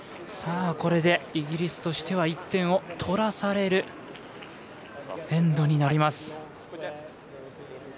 これで、イギリスとしては１点を取らされるエンドになります。